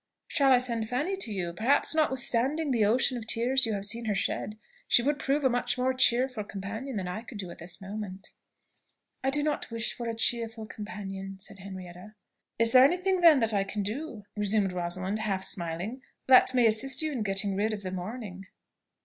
"Shall I send Fanny to you? Perhaps, notwithstanding the ocean of tears you have seen her shed, she would prove a much more cheerful companion than I could do at this moment." "I do not wish for a cheerful companion," said Henrietta. "Is there any thing, then, that I can do," resumed Rosalind, half smiling, "that may assist you in getting rid of the morning?"